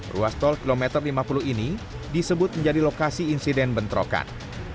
ruas tol kilometer lima puluh ini disebut menjadi lokasi insiden bentrokan